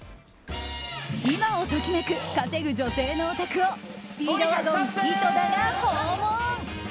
今を時めく稼ぐ女性のお宅をスピードワゴン井戸田が訪問。